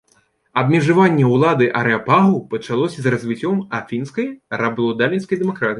Абмежаванне ўлады арэапагу пачалося з развіццём афінскай рабаўладальніцкай дэмакратыі.